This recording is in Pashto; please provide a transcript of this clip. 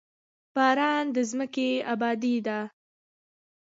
باران د ځمکې ابادي ده.